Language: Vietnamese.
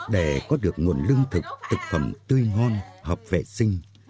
để có được nguồn lương thực thực phẩm tươi ngon hợp vệ sinh